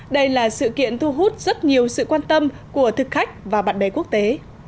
đây là sự kiện thu hút rất nhiều sự quan tâm của thực khách và bạn bè quốc tế